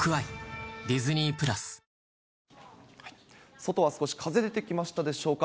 外は少し風出てきましたでしょうか。